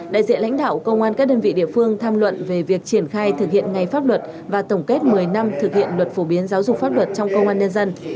đại diện lãnh đạo công an các đơn vị địa phương tham luận về việc triển khai thực hiện ngay pháp luật và tổng kết một mươi năm thực hiện luật phổ biến giáo dục pháp luật trong công an nhân dân